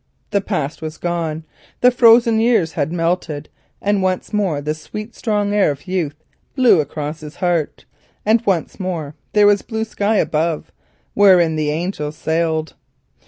The past was gone, the frozen years had melted, and once more the sweet strong air of youth blew across his heart, and once more there was clear sky above, wherein the angels sailed.